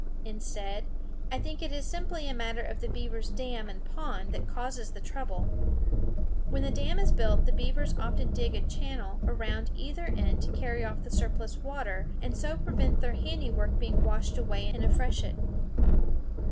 Instead, I think it is simply a matter of the beaver's dam and pond that causes the trouble. When the dam is built the beavers often dig a channel around either end to carry off the surplus water, and so prevent their handiwork being washed away in a freshet.